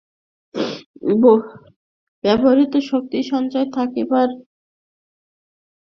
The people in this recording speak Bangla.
ব্যবহৃত শক্তিই সংলগ্ন থাকিবার সংহতি-শক্তিতে পরিণত হইয়াছে।